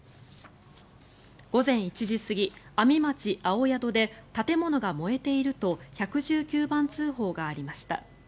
午前１時過ぎ、阿見町青宿で建物が燃えていると１１９番通報がありました。